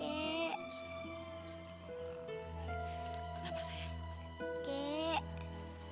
hai kenapa saya ke ke ke